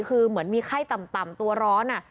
คือเหมือนมีไข้ต่ำตัวร้อน